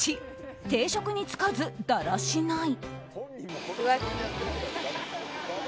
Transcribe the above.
定職に就かず、だらしない。